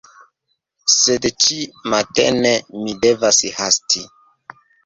Sed, Ĉi matene ni devas hasti